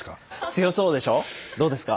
強そうでしょ？